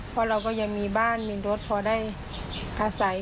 เพราะเราก็ยังมีบ้านมีรถพอได้อาศัย